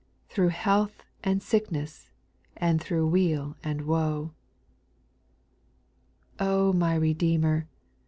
Through health and sickness and through weal and woe. 2. O my Redeemer